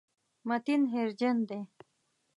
متین هېرجن دی.